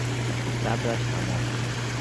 صبرش تمام شد.